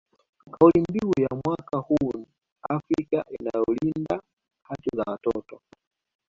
Kauli mbiu ya mwaka huu ni Afrika inayolinda haki za watoto